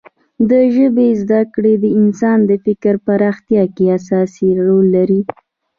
د ژبې زده کړه د انسان د فکر پراختیا کې اساسي رول لري.